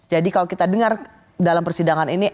jadi kalau kita dengar dalam persidangan ini